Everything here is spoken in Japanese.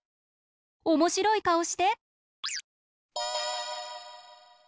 おもしろいかおして。